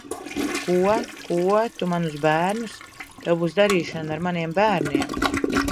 Ko, ko? Tu manus bērnus? Tev būs darīšana ar maniem bērniem!